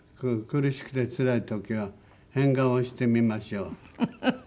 「苦しくてつらい時は変顔をしてみましょう」フフ！